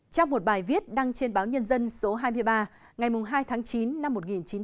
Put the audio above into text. trong một bài viết đăng trên báo nhân dân số hai mươi ba ngày hai tháng chín năm một nghìn chín trăm bảy mươi